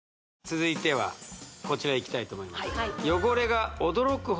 続いてはこちらいきたいと思います